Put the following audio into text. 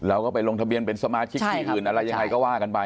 แล้วก็ไปลงทะเบียนเป็นสมาชิกที่อื่นอะไรยังไงก็ว่ากันไป